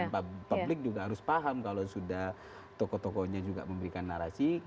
dan publik juga harus paham kalau sudah tokoh tokohnya juga memberikan narasi